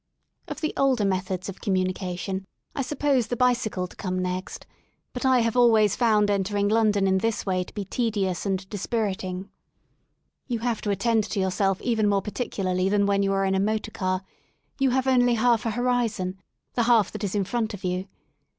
Of the older methods of communication I suppose the bicycle to come next, but I have always found en tering London in this way to be tedious and dispiriting* 41 THE SOUL OF LONDON You have to attend to yourself even more particularly than when you are in a motor car; you have only half a horizon — the half that is in front of you.